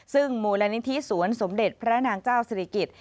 ซึ่งมูลนิธิสวนสมเด็จพระนางเจ้าศิริกิจ